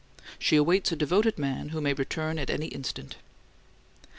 She awaits a devoted man who may return at any instant.